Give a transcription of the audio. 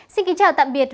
xin kính chào tạm biệt